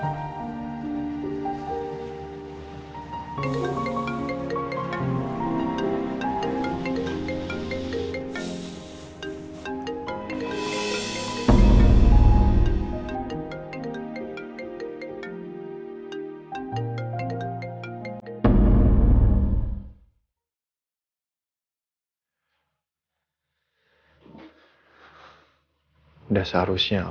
udah seharusnya lo